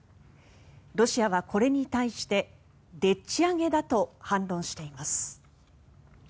ロシアはこれに対してでっち上げだと反論しています。